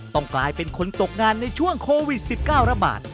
กลายเป็นคนตกงานในช่วงโควิด๑๙ระบาด